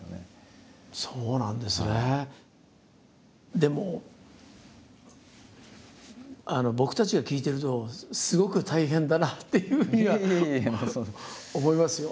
でも僕たちが聞いてるとすごく大変だなっていうふうには思いますよ。